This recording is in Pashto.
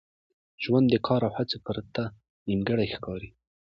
ژوند د کار او هڅي پرته نیمګړی ښکاري.